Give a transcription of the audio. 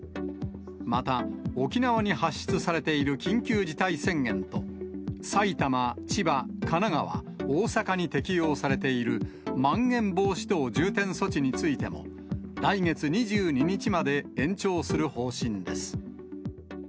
また沖縄に発出されている緊急事態宣言と、埼玉、千葉、神奈川、大阪に適用されているまん延防止等重点措置についても、来月２２日まで延長する方針です。